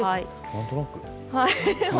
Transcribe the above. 何となく。